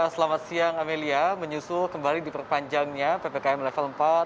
selamat siang amelia menyusul kembali diperpanjangnya ppkm level empat